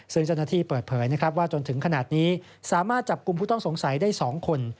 ซึ่งเจ้าหน้าที่เปิดเผยนะครับว่าจนถึงขนาดนี้สามารถจับกลุ่มผู้ต้องสงสัยได้๒คน